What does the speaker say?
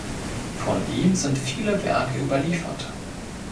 Von ihm sind viele Werke überliefert.